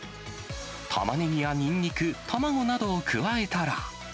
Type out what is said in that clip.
タマネギやニンニク、卵などを加えたら。